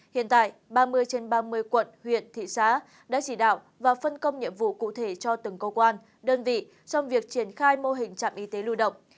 hiện tại ba mươi trên ba mươi quận huyện thị xã đã chỉ đạo và phân công nhiệm vụ cụ thể cho từng cơ quan đơn vị trong việc triển khai mô hình trạm y tế lưu động